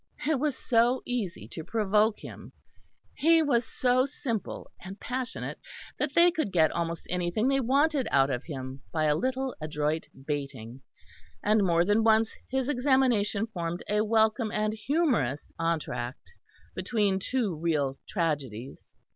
It was so easy to provoke him; he was so simple and passionate that they could get almost anything they wanted out of him by a little adroit baiting; and more than once his examination formed a welcome and humorous entr'acte between two real tragedies.